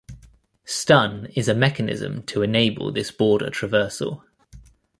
Stun is a mechanism to enable this border traversal.